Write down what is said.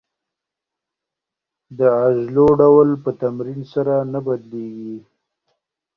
د عضلو ډول په تمرین سره نه بدلېږي.